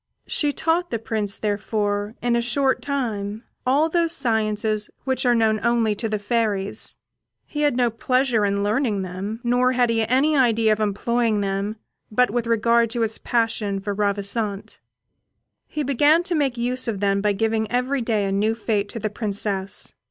She taught the Prince, therefore, in a short time, all those sciences which are known only to the fairies. He had no pleasure in learning them, nor had he any idea of employing them but with regard to his passion for Ravissante. He began to make use of them by giving every day a new fête to the Princess.